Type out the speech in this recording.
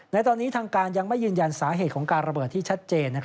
ในตอนนี้ทางการยังไม่ยืนยันสาเหตุของการระเบิดที่ชัดเจน